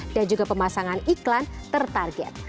dan juga pemasangan iklan tertarget